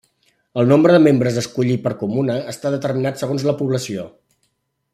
El nombre de membres a escollir per comuna està determinat segons la població.